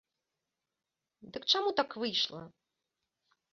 Дык чаму так выйшла?